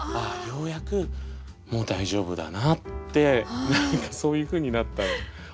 ようやくもう大丈夫だなって何かそういうふうになった思い出です。